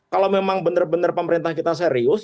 kalau memang bener bener pemerintah kita serius